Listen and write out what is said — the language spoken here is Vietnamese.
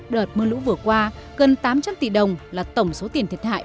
đợt mưa lũ vừa qua gần tám trăm linh tỷ đồng là tổng số tiền thiệt hại